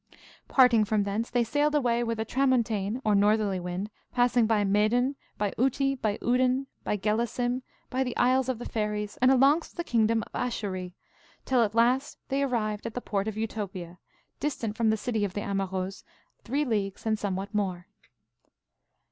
Parting from thence, they sailed away with a tramontane or northerly wind, passing by Meden, by Uti, by Uden, by Gelasim, by the Isles of the Fairies, and alongst the kingdom of Achorie, till at last they arrived at the port of Utopia, distant from the city of the Amaurots three leagues and somewhat more.